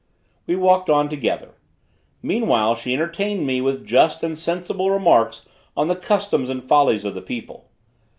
We walked on together. Meanwhile she entertained me with just and sensible remarks on the customs and follies of the people.